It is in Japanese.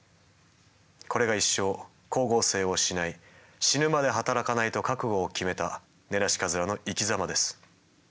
これが一生光合成をしない死ぬまで働かないと覚悟を決めたネナシカズラの生きざまです。